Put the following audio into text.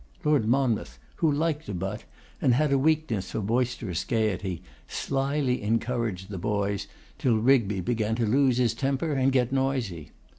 Lord Monmouth, who liked a butt, and had a weakness for boisterous gaiety, slily encouraged the boys, till Rigby began to lose his temper and get noisy.